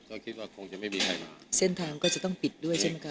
ก็คิดว่าคงจะไม่มีใครหรอกเส้นทางก็จะต้องปิดด้วยใช่ไหมคะ